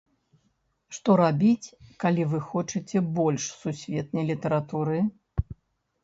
Што рабіць, калі вы хочаце больш сусветнай літаратуры?